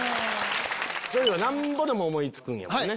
なんぼでも思い付くんやもんね。